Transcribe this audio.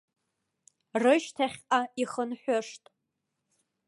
Рышьҭахьҟа ихынҳәышт.